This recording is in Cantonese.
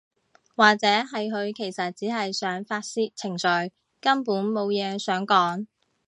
或者係佢其實只係想發洩情緒，根本無嘢想講